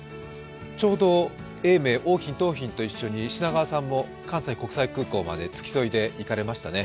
ちょうど永明、桜浜、桃浜と一緒に品川さんも関西国際空港まで付き添いで行かれましたね。